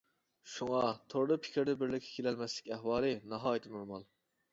شۇڭا توردا پىكىردە بىرلىككە كېلەلمەسلىك ئەھۋالى ناھايىتى نورمال.